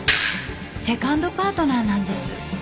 セカンドパートナーなんです。